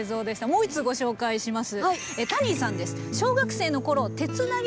もう一通ご紹介します。